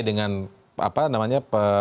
mengungkapkan kasus yang sudah